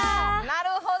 なるほどな。